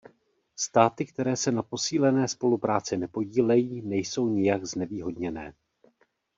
Státy, které se na posílené spolupráci nepodílejí, nejsou nijak znevýhodněné.